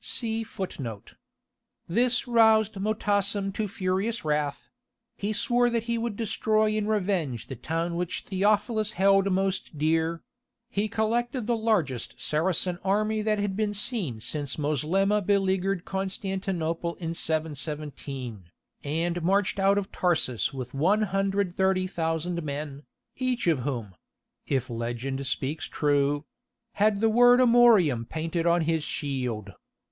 (24) This roused Motassem to furious wrath; he swore that he would destroy in revenge the town which Theophilus held most dear; he collected the largest Saracen army that had been seen since Moslemah beleaguered Constantinople in 717, and marched out of Tarsus with 130,000 men, each of whom (if legend speaks true) had the word Amorium painted on his shield.